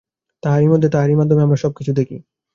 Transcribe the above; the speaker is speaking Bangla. তাঁহারই মধ্যে, তাঁহারই মাধ্যমে আমরা সব কিছু দেখি।